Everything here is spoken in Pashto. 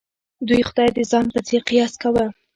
دوی خدای د ځان په څېر قیاس کاوه.